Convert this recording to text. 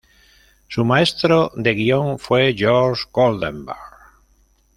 Su maestro de guion fue Jorge Goldenberg.